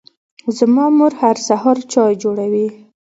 زما مور هر سهار چای جوړوي.